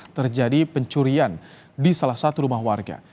terjadi pencurian di salah satu rumah warga